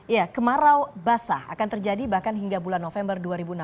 ya kemarau basah akan terjadi bahkan hingga bulan november dua ribu enam belas